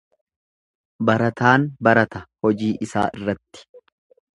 Barataan barata hojii isaa irratti.